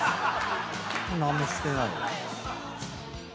何もしてない。